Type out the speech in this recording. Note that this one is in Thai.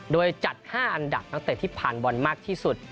โดยจัด๕อันดับนักเตะที่ผ่านบอลมากที่สุด